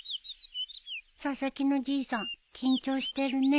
佐々木のじいさん緊張してるね。